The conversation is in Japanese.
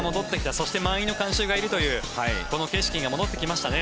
そして満員の観衆がいるというこの景色が戻ってきましたね。